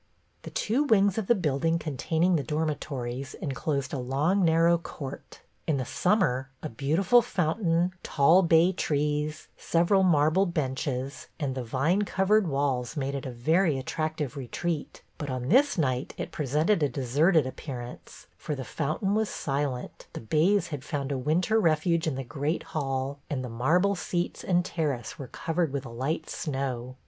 The two wings of the building containing the dormitories enclosed a long narrow court. In the summer a beautiful fountain, tall bay trees, several marble benches, and the vine covered walls made it a very attractive re treat; but on this night it presented a deserted appearance, for the fountain was silent, the bays had found a winter refuge in the great hall, and the marble seats and terrace were covered with a light snow.